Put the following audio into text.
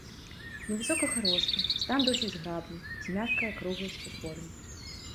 Невысокага росту, стан досыць зграбны, з мяккай акругласцю форм.